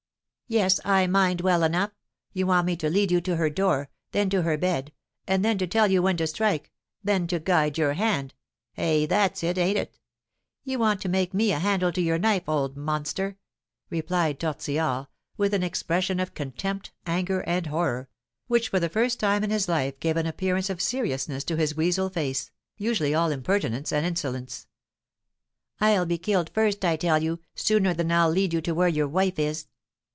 "Yes, I mind well enough; you want me to lead you to her door, then to her bed, and then to tell you when to strike, then to guide your hand eh! that's it, ain't it? You want to make me a handle to your knife, old monster!" replied Tortillard, with an expression of contempt, anger, and horror, which, for the first time in his life gave an appearance of seriousness to his weasel face, usually all impertinence and insolence; "I'll be killed first, I tell you, sooner than I'll lead you to where your wife is!"